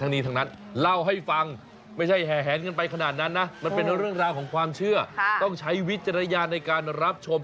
นี้ทั้งนั้นเล่าให้ฟังไม่ใช่แห่แหนกันไปขนาดนั้นนะมันเป็นเรื่องราวของความเชื่อต้องใช้วิจารณญาณในการรับชม